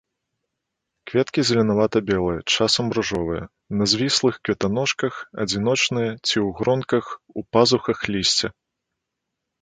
Кветкі зеленавата-белыя, часам ружовыя, на звіслых кветаножках, адзіночныя ці ў гронках у пазухах лісця.